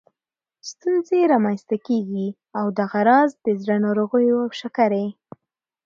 ستونزې رامنځته کېږي او دغه راز د زړه ناروغیو او شکرې